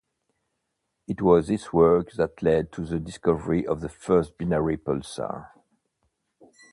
It was this work that led to the discovery of the first binary pulsar.